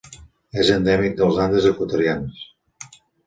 És endèmic dels Andes equatorians.